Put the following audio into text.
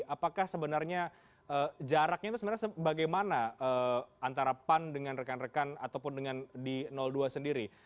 apakah sebenarnya jaraknya itu sebenarnya bagaimana antara pan dengan rekan rekan ataupun dengan di dua sendiri